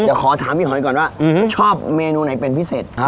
เดี๋ยวขอถามพี่หอยก่อนว่าชอบเมนูไหนเป็นพิเศษ